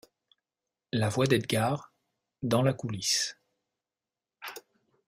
La voix d’Edgard , dans la coulisse.